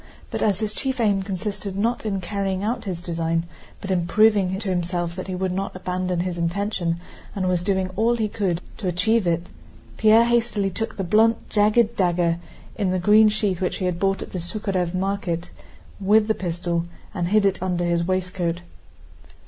But as his chief aim consisted not in carrying out his design, but in proving to himself that he would not abandon his intention and was doing all he could to achieve it, Pierre hastily took the blunt jagged dagger in a green sheath which he had bought at the Súkharev market with the pistol, and hid it under his waistcoat.